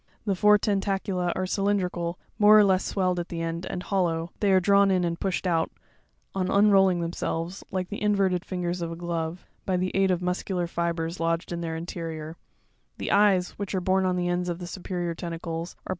The four tentacula are cylindrical, more or less swelled at the end, and hollow ; they are drawn in and pushed out, on unrolling themselves, like the inverted fingers of a glove, by the aid of muscular fibres lodged in their interior; the eyes, which are borne on the ends of the superior tentacles (fig. 22, st), are